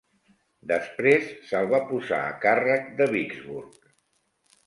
Després se"l va posar a càrrec de Vicksburg.